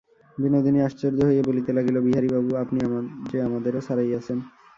বিনোদিনী আশ্চর্য হইয়া বলিতে লাগিল, বিহারীবাবু, আপনি যে আমাদেরও ছাড়াইয়াছেন।